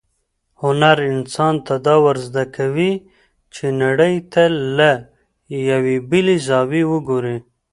هنر انسان ته دا ورزده کوي چې نړۍ ته له یوې بلې زاویې وګوري.